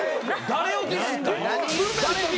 誰ディスったん？